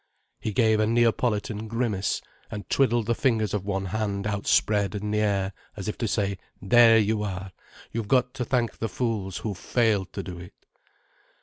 He gave a Neapolitan grimace, and twiddled the fingers of one hand outspread in the air, as if to say: "There you are! You've got to thank the fools who've failed to do it."